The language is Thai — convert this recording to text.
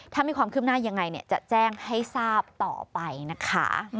ถ้ามีความคืบหน้ายังไงจะแจ้งให้ทราบต่อไปนะคะ